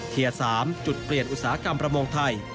๓จุดเปลี่ยนอุตสาหกรรมประมงไทย